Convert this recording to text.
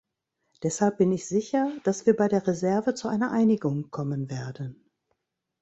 Deshalb bin ich sicher, dass wir bei der Reserve zu einer Einigung kommen werden.